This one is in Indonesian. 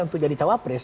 untuk jadi cawapres